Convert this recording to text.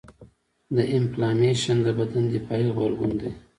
د انفلامیشن د بدن دفاعي غبرګون دی.